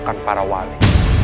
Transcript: bukan para wali